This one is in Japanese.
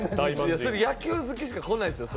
野球好きしか来ないですよ。